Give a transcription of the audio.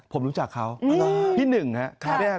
ผมรู้จักเขาที่๑นะครับ